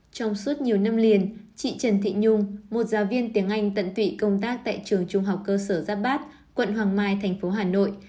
trong suốt nhiều năm liền chị trần thị nhung một giáo viên tiếng anh tận tụy công tác tại trường trung học cơ sở giáp bát quận hoàng mai thành phố hà nội